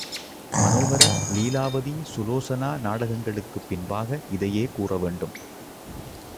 மனோஹரன், லீலாவதி சுலோசனா நாடகங்களுக்குப் பின்பாக இதையே கூற வேண்டும்.